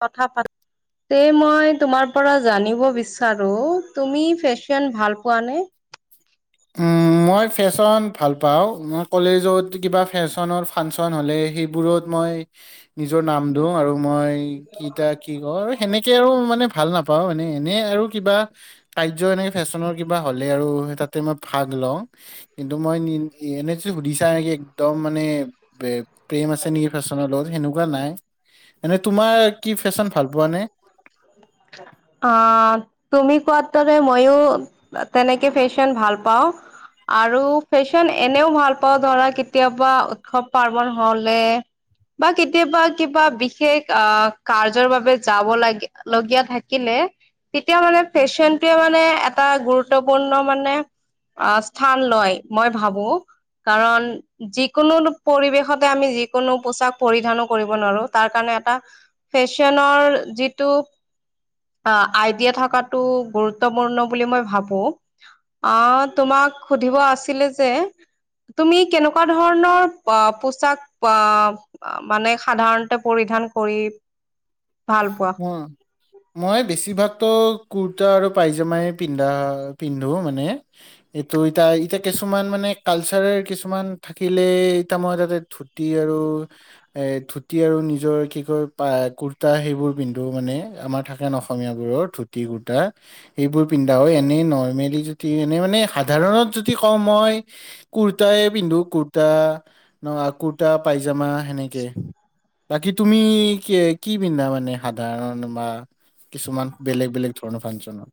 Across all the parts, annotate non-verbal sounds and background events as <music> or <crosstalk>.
কথা <unintelligible> তে মই তুমাৰ পৰা জানিব বিচাৰো ফেশ্বন ভাল পোৱানে? উম। মই ফেশ্বন ভাল পাওঁ মই কলেজত কিবা ফেশ্বনৰ ফাংচন হ'লে সেইবোৰত মই নিজৰ নাম দিও আৰু মই কিতটা কি কয় আৰু সেনেকে আৰু মানে ভাল নাপাও এনে এনে আৰু কিবা কাৰ্য এনেকে ফেশ্বনৰ কিবা হ'লে আৰু তাতে মই ভাগ লওঁ। কিন্তু মই এনে যদি সুধিছা নেকি একদম মানে বে প্ৰেম আছে নেকি ফেশ্বনৰ লগত সেনেকুৱা নাই, এনে তোমাৰ কি ফেশ্বন ভাল পোৱা নে? <inaudible> অ', তুমি কোৱা দৰে ময়ো তেনেকে ফেশ্বন ভাল পাও। আৰু ফেশ্বন এনেও ভাল পাওঁ ধৰা কেতিয়াবা উৎসৱ-পাৰ্বন হ'লে। বা কেতিয়াবা কিবা বিশেষ অ', কাৰ্যৰ বাবে যাব লাগে লগীয়া থাকিলে। তেতিয়া মানে ফেশ্বনটোৱে মানে এটা গুৰুত্বপূৰ্ণ মানে অ', স্থান লয়, মই ভাবো কাৰণ যিকোনো পৰিৱেশতে আমি যিকোনো পোচাক পৰিধানো কৰিব নোৱাৰো তাৰ কাৰণে এটা ফেশ্বনৰ যিটো অ', আইডিয়া থকাতটো গুৰুত্বপূৰ্ণ বুলি মই ভাবো। আহ, তোমাক সুধিব আছিলে যে তুমি কেনেকুৱা ধৰণৰ পোচাক অ' মানে সাধাৰণতে পৰিধান কৰি ভাল পোৱা? মই? মই বেছিভাগতো কুুৰ্তা আৰু পাইজামাই পিন্ধা পিন্ধো মানে। এইটো এতিয়া কিছুমান কালচাৰৰ কিছুমান থাকিলে এতিয়া মই তাতে ধুতি আৰু এ ধুতি আৰু নিজৰ কি কয় পায় কুৰ কুৰ্তা সেইবোৰ পিন্ধো মানে আমাৰ থাকে ন' অসমীয়াবোৰৰ ধুতি কুৰ্তা। এইবোৰ পিন্ধা হয়, এনেই নৰ্মেলি যদি এনে মানে সাধাৰণত যদি কও মই কুৰ্তাই পিন্ধো কুৰ্তা ন ক কুৰ্তা পাইজামা সেনেকে বাকি তুমি কি কি পিন্ধা মানে সাধাৰণ বা কিছুমান বেলেগ বেলেগ ধৰণৰ ফাংচনত?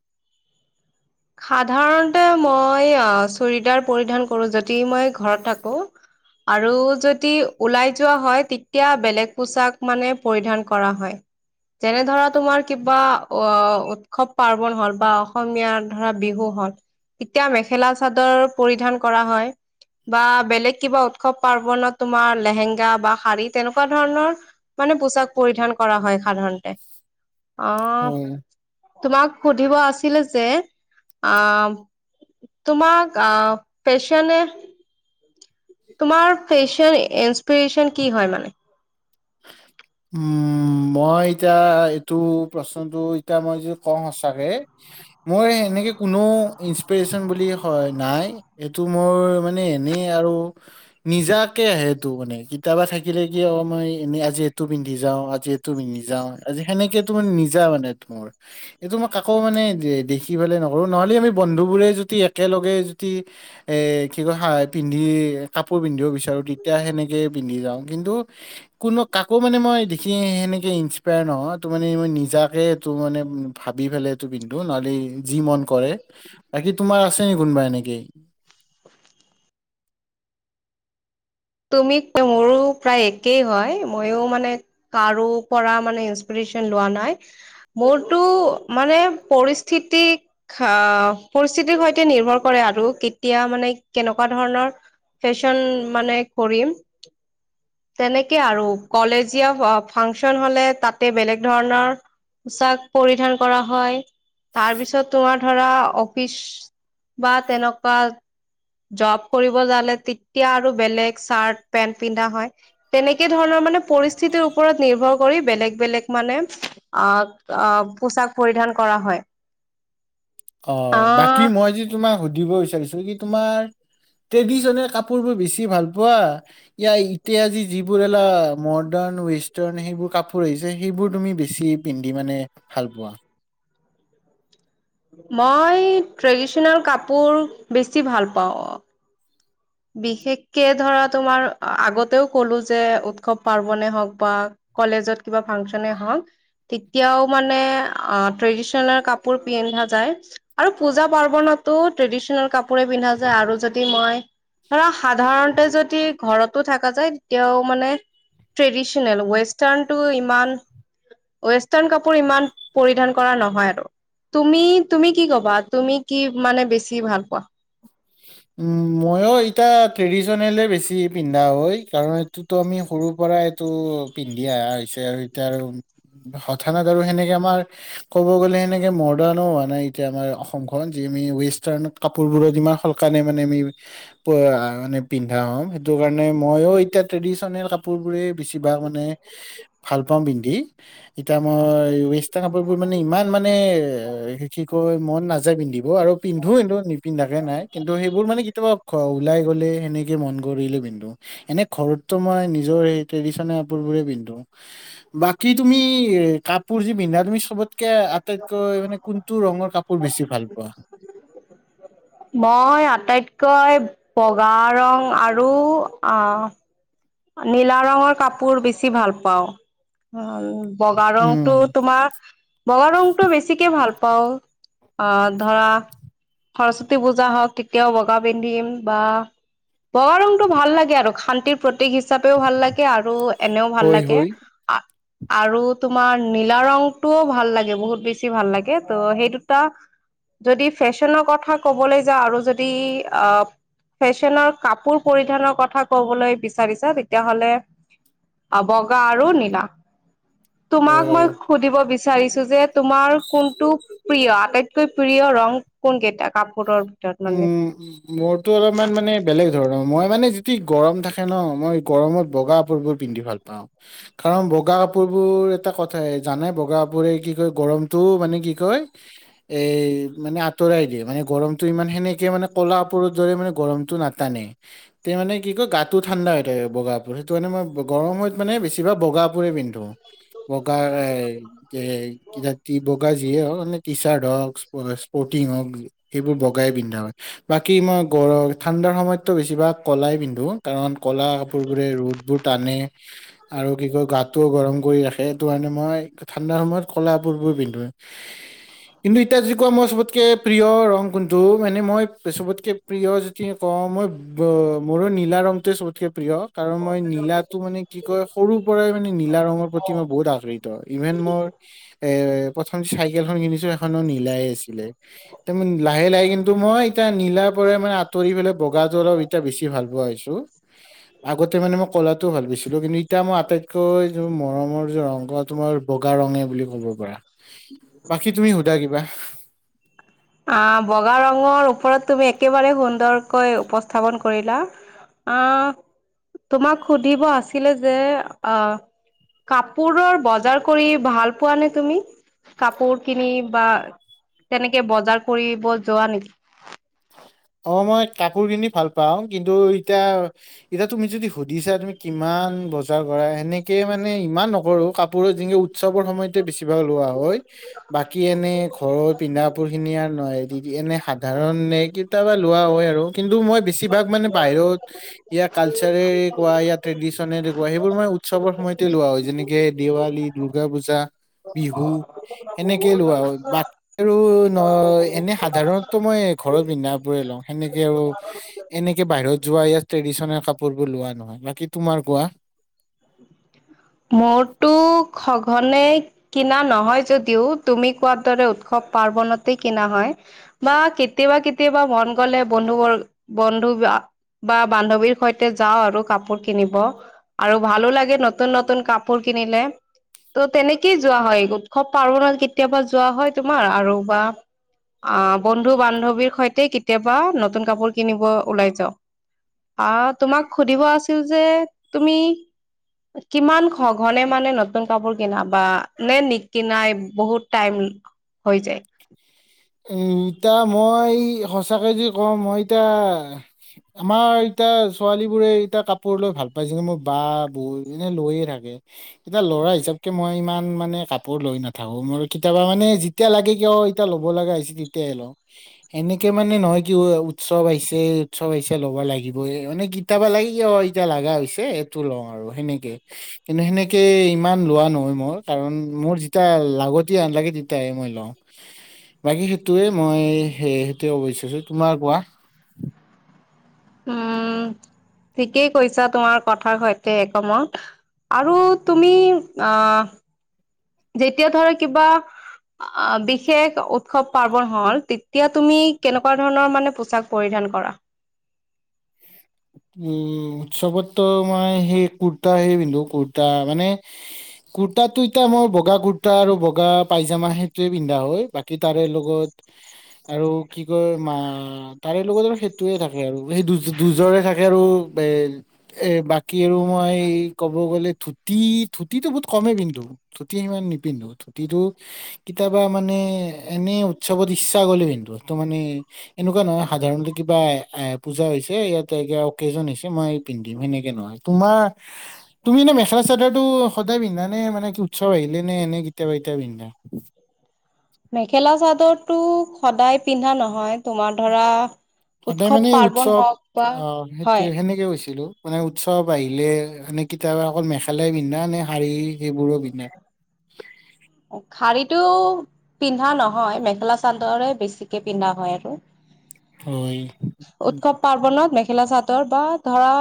সাধাৰণতে মই অহ চুৰিদাৰ পৰিধান কৰোঁ যদি মই ঘৰত থাকো। আৰু যদি ওলাই যোৱা হয়। তেতিয়া বেলেগ পোছাক মানে পৰিধান কৰা হয়। যেনে ধৰা তোমাৰ কিবা অহ উৎসৱ পাৰ্বন হল বা অসমীয়াৰ। ধৰা বিহু হল তেতিয়া মেখেলা চাদৰ পৰিধান কৰা হয়। বা বেলেগ কিবা উৎসৱ পাৰ্বনত তোমাৰ লেহেংগা বা শাৰী তেনেকুৱা ধৰণৰ। মানে পোছাক পৰিধান কৰা হয় সাধাৰণতে। অহ হয় তোমাক সুধিব আছিলে যে। অহ তোমাক অহ ফেশ্বনে। তোমাৰ ফেশ্বন ইন্সপিৰেচন কি হয় মানে। উম। মই এতিয়া এইটো প্ৰশ্নটো এতিয়া মই যে কওঁ সচাঁকে। মোৰ এনেকে কোনো ইন্সপিৰেচন বুলি হয় নাই। এইটো মোৰ মানে এনেই আৰু। নিজাকে আহে ইটো মানে কেতিবা থাকিলে কি অ মই। এনেই আজি এইটো পিন্ধি যাওঁ আজি এইটো পিন্ধি যাওঁ আজি সেনেকে তো মান নিজা মানে তোৰ। এইটো মই কাকো মানে দে দেখি পালে নকৰোঁ নহলে আমি বন্ধু বোৰে যদি একেলগে যদি। এ কি কয় হয় পিন্ধি কাপোৰ পিন্ধিও বিচাৰো তেতিয়া সেনেকেই পিন্ধি যাওঁ কিন্তু। কোনো কাকো মানে মই দেখি সেনেকে ইন্সপায়াৰ নহওঁ ত মানে মই নিজাকে ইটো মানে। ভাবি ফেলে এইটো পিন্ধো নহলে যি মন কৰে বাকী তোমাৰ আছে নি কোনোবা এনেকেই। তুমি মোৰো প্ৰায় একেই হয় ময়ো মানে। কাৰো পৰা মানে ইন্সপিৰেচন লোৱা নাই। মোৰতো মানে পৰিস্থিতিক। খা পৰিস্থিতিৰ সৈতে নিৰ্ভৰ কৰে আৰু কেতিয়া মানে কেনেকুৱা ধৰণৰ। ফেশ্বন মানে কৰিম। তেনেকে আৰু কলেজীয়া অ ফাংচন হলে তাতে বেলেগ ধৰণৰ। পোছাক পৰিধান কৰা হয় তাৰপিছত তোমাৰ ধৰা অফিচ। বা তেনেকা। জৰ্ব কৰিব যালে তেতিয়া আৰু বেলেগ চাৰ্ট পেণ্ট পিন্ধা হয়। তেনেকে ধৰণৰ মানে পৰিস্থিতিৰ ওপৰত নিৰ্ভৰ কৰি বেলেগ বেলেগ মানে। আহ অহ পোছাক পৰিধান কৰা হয়। অহ বাকী আহ মই যি তোমাক সুধিব বিচাৰিছোঁ কি তোমাৰ। ট্ৰেডিশ্যনেল কাপোৰবোৰ বেছি ভাল পোৱা। ইয়া এতিয়া‌ যিবোৰ এলা মৰ্ডাণ ৱেষ্টাৰ্ণ সেইবোৰ কাপোৰ আহিছে সেইবোৰ তুমি বেছি। পিন্ধি মানে ভাল পোৱা। মই ট্ৰেডিশ্যনেল কাপোৰ বেছি ভাল পাওঁ। বিশেষকে ধৰা তোমাৰ আগতেও কলো যে উৎসৱ পাৰ্বনে হওঁক বা। কলেজত কিবা ফাংচনে হওঁক। তেতিয়াও মানে অহ ট্ৰেডিশ্যনেল কাপোৰ পিন্ধা যায়। আৰু পূজা পাৰ্বণতো ট্ৰেডিশ্যনেল কাপোৰে পিন্ধা যায় আৰু যদি মই। ধৰা সাধাৰণতে যদি। ঘৰতো থাকা যায় তেতিয়াও মানে ট্ৰেডিশ্যনেল ৱেষ্টাৰ্ণটো ইমান। ৱেষ্টাৰ্ণ কাপোৰ ইমান পৰিধান কৰা নহয় আৰু। তুমি তুমি কি কবা তুমি কি মানে বেছি ভাল পোৱা। উম ময়োও এতিয়া ট্ৰেডিশ্যনেলে বেছি পিন্ধা হয় কাৰণ এই। টো আমি সৰুৰ পৰাই এইটো পিন্ধি অহা হৈছে আৰু এতিয়া আৰু। হঠাৎ আৰু সেনেকে আমাৰ ক'ব গ'লে সেনেকে মডাৰ্ণো হোৱা নাই এতিয়া আমাৰ অসমখন, যি আমি ৱেষ্টাৰ্ণত কাপোৰবোৰত ইমান কানে মানে আমি মানে পিন্ধা হম, সেইটো কাৰণে মইও এতিয়া ট্ৰেডিচনেল কাপোৰ বোৰে বেছিভাগ মানে ভাল পাওঁ পিন্ধি এতিয়া মই ৱেষ্টাৰ্ণ কাপোৰ বোৰ মানে ইমান মানে এ সে কি কয় মন নাযায় পিন্ধিব আৰু পিন্ধো, কিন্তু নিপিন্ধাকে নাই কিন্তু সেইবোৰ মানে কেতিয়াবা ওলাই গ'লে, সেনেকে মন কৰিলে পিন্ধো। এনে ঘৰতটো মই নিজৰ সেই ট্ৰেডিশনেল কাপোৰ বোৰে পিন্ধো। বাকী তুমি এ কাপোৰ যি পিন্ধা তুমি চবত কে আটাইতকৈ মানে কোনটো ৰঙৰ কাপোৰ বেছি ভাল পোৱা। মই আটাইতকৈ বগা ৰং আৰু আ নীলা ৰঙৰ কাপোৰ বেছি ভাল পাও বগা ৰংটো উম তোমা বগা ৰংটো বেছিকে ভাল পাওঁ অ', ধৰা সৰস্বতী পূজা হওক তেতিয়াও বগা পিন্ধিম বা বগা ৰংটো ভাল লাগে আৰু, শান্তিৰ প্ৰতীক হিচাপেও ভাল লাগে, আৰু এনেও ভাল হয় লাগে <inaudible> আৰু তোমাৰ নীলা ৰংটোও ভাল লাগে বহুত বেছি ভাল লাগে ত' সেই দুটা যদি ফেশ্বনৰ কথা ক'বলৈ যাওঁ আৰু যদি অ' ফেশ্বনৰ কাপোৰ পৰিধানৰ কথা কবলৈ বি বিচাৰিছা তেতিয়াহলে বগা আৰু নীলা, তোমাক হয় মই সুধিব বিচাৰিছো যে তোমাৰ কোনটো প্ৰিয়, আটাইতকৈ প্ৰিয় ৰং কোন কেইটা কাপোৰৰ ভিতৰত মানে উম', মোৰতো অলপমান মানে বেলেগ ধৰণৰ মই মানে যদি গৰম থাকে ন মই গৰমত বগা কাপোৰ বোৰ পিন্ধি ভাল পাওঁ কাৰণ বগা কাপোৰ বোৰ এটা কথাই জানাই, বগা কাপোৰে কি কয় গৰমটো মানে কি কয় এই মানে আঁতৰাই দিয়ে মানে গৰম ইমান সেনেকে ক'লা কাপোৰৰ দৰে মানে গৰমটো নাটানে তে মানে কি কয় গাটো ঠাণ্ডা হৈ থাকে বগা কাপোৰে, সেইটো কাৰণে মই গৰমত মানে বেছিভাগ বগা কাপোৰে পিন্ধো। বগা <unintelligible> বগা যিয়ে হওক মানে টি চাৰ্ট হওক, স্প স্পৰ্টিং হওক সেইবোৰ বগ গাই পিন্ধা হয়, বাকী মই গৰ ঠাণ্ডাৰ সময়ততো বেছিভাগ ক'লাই পিন্ধো কাৰণ ক'লা কাপোৰ বোৰে ৰ'দ বোৰ টানে, আৰু কি কয় গাটোও গৰম কৰি ৰাখে সেইটো কাৰণে মই ঠাণ্ডাৰ সময়ত ক'লা কাপোৰবোৰ পিন্ধো। কিন্তু এতিয়া যদি কোৱা মই চবতকে প্ৰিয় ৰং কোন টো মানে মই চবতকে প্ৰিয় যদি কওঁ মই, মোৰো নীলা ৰংটোৱে চবত কে প্ৰিয় কাৰণ মই নীলাটো মানে কি কয় সৰুৰ পৰাই মানে নীলা ৰঙৰ মই বহুত <unintelligible> ত ইভেন মোৰ এ প্ৰথম চাইকেলখন কিনিছো সেইখনো নীলাই আছিলে, তাৰ লাহে লাহে কিন্তু মই এতিয়া নীলাৰ পৰা মানে আঁতৰি পেলাই বগাটো অলপ এতিয়া বেছি ভাল পোৱা হৈছো আগতে মানে মই ক'লাটোও ভাল পাইছিলো কিন্তু এতিয়া মই আটাইতকৈ য মৰমৰ য অংগ তোমাৰ বগা ৰঙে বুলি ক'ব পাৰা, বাকী তুমি সোধা কিবা অ', বগা ৰঙৰ ওপৰত তুমি একেবাৰে সুন্দৰকৈ উপস্থাপন কৰিলা অ' তোমাক সুধিব আছিলে যে আ কাপোৰৰ বজাৰ কৰি ভাল পোৱা নে তুমি? কাপোৰ কিনি বা তেনেকে বজাৰ কৰিব যোৱা নেকি? অ', মই কাপোৰ ভাল পাওঁ, কিন্তু এতিয়া এতিয়া তুমি যদি সুধিছা তুমি কিমান বজাৰ কৰা, সেনেকে মানে ইমান নকৰো, কাপোৰ যেনেকে উৎসৱৰ সময়তে বেছিভাগ লোৱা হয়। বাকী এনে ঘৰৰ পিন্ধাাপোৰ খিনি আৰু নহয় এনে স সাধাৰণ এই কেতিয়াবা লোৱা হয় আৰু, কিন্তু মই বেছিভাগ মানে বাহিৰত, ইয়াত কালচাৰে কোৱা ইয়াত ট্ৰেডিশনে তেনেকুৱা সেইবোৰ মই উৎসৱৰ সময়তে লোৱা হয়, যেনেকে দেৱালী দুৰ্গা পূজা। বিহু। এনেকেই লোৱা হয়, বাকী আৰু ন' এনে সাধাৰণটো মই ঘৰত পিন্ধা বোৰে লওঁ সেনেকে আৰু এনেকে বাহিৰত যোৱা ইয়াত ট্ৰেডিচনেল কাপোৰ বোৰ লোৱা নহয়, বাকী তোমাৰ কোৱা? মোৰতো সঘনে কিনা নহয় যদিও, তুমি কোৱাৰ দৰে উৎসৱ পাৰ্বনতে কিনা হয়। বা কেতিয়াবা, কেতিয়াবা মন গ'লে বন্ধু বৰ্গ, বন্ধু বা বা বান্ধৱীৰ সৈতে যাওঁ আৰু কাপোৰ কিনিব। আৰু ভালো লাগে নতুন, নতুন কাপোৰ কিনিলে। ত' তেনেকেই যোৱা হয়, উৎসৱ পাৰবনত কেতিয়াবা যোৱা হয়, তোমাৰ আৰু বা অ', বন্ধু বান্ধৱীৰ সৈতে নতুন কাপোৰ কিনিব ওলাই যাওঁ। আহ, তোমাক সুধিব আছিল যে, তুমি কিমান সঘনে মানে নতুন কাপোৰ কিনা বা নে নিকিনাই বহুত টাইম হৈ যায়। উম, এতিয়া মই সঁচাকে যদি কওঁ, মই এতিয়া আমাৰ এতিয়া ছোৱালী বোৰে, এতিয়া কাপোৰ লৈ ভাল পায়, যেনে মোৰ বা বৌ এনে লৈয়ে থাকে। এতিয়া ল'ৰা হিচাপকে মই ইমান মানে কাপোৰ লৈ নাথাকো, মোৰ কেতিয়াবা মানে যেতিয়া লাগে কিয় টা ল'ব লগা হৈছে তেতিয়াহে লওঁ। এনেকে মানে নহয় কি উৎসৱ আহিছে, উৎসৱ আহিছে ল'ব লাগিবই, মানে কি কেতিয়াবা লাগে কি অ', এতিয়া লগা হৈছে এইটো লওঁ আৰু সেনেকে। কিন্তু সেনেকে ইমান লোৱা নহয় মোৰ, কাৰণ মোৰ যেতিয়া লাগতিয়া হেন লাগে তেতিয়াহে মই লওঁ। বাকী সেইটোৱে মই, সেইটোৱে কব বিচাৰিছো, তোমাৰ কোৱা। উম, ঠিকেই কৈছা তোমাৰ কথাৰ সৈতে একমত। আৰু তুমি আহ যেতিয়া ধৰা কিবা অ', বিশেষ উৎসৱ পাৰ্বন হ'ল, তেতিয়া তুমি কেনেকুৱা ধৰণৰ মানে পোচাক পৰিধান কৰা? উম, উৎসৱত ত' মই সেই কুৰ্তাহে পিন্ধু, কুৰ্তা মানে কুৰ্তাটো এতিয়া মই, বগা কুৰ্তা আৰু বগা পাইজামা সেইটোয়ে পিন্ধা হয়, বাকী কি তাৰে লগত আৰু কি কয় মা, তাৰে লগত আৰু সেইটোৱে থাকে আৰু, সেই দু-দুযোৰ। ৰে থাকে আৰু এ এ, বাকী আৰু মই ক'ব গ'লে, ধুতি, ধুতিটো বহুত কমেই পিন্ধু। ধুতি সিমান নিপিন্ধো, ধুতিটো কেতিয়াবা মানে, এনে উৎসৱত ইচ্ছা গ'লে পিন্ধো। সেইটো মানে এনেকুৱা নহয় সাধাৰণতে কিবা এ পূজা হৈছে ইয়াত তে অকেজন হৈছে মই পিন্ধিম সেনেকে নহয়। তোমাৰ তুমি এনে মেখেলা চাদৰটো সদায় পিন্ধানে, মানে কি উৎসৱ আহিলে নে, এনে কেতিয়াবা কেতিয়াবা পিন্ধা? <inaudible> মেখেলা চাদৰটো সদায় পিন্ধা নহয়। তোমাৰ ধৰা সদায় উৎসৱ মানে পাৰ্বন উৎসৱ হওঁক বা, আহ সেইটো হয়। সেনেকে কৈছিলোঁ। মানে উৎসৱ আহিলে মানে কেতিয়াবা অকল মেখেলাই পিন্ধা নে শাৰী সেইবোৰো পিন্ধা? অ', শাৰীটো পিন্ধা নহয় মেখেলা চাদৰে বেছিকে পিন্ধা হয় আৰু। হয়। উৎসৱ পাৰ্বনত মেখেলা চাদৰ বা ধৰা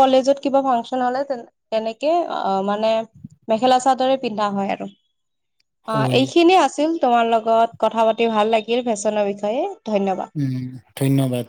কলেজত কিবা ফাংচন হ'লে তেনেকে অ' মানে মেখেলা চাদৰে পিন্ধা হয় আৰু। অ', হয় এইখিনিয়ে আছিল তোমাৰ লগত কথা পাতি ভাল লাগিল ফেশ্বনৰ বিষয়ে ধন্যবাদ। উম, ধন্যবাদ।